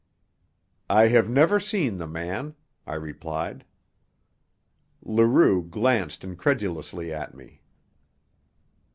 "I have never seen the man," I replied. Leroux glanced incredulously at me.